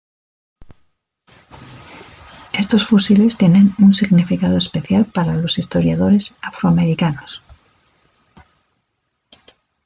Estos fusiles tienen un significado especial para los historiadores afroamericanos.